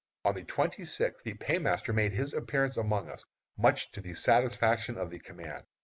On the twenty sixth the paymaster made his appearance among us, much to the satisfaction of the command.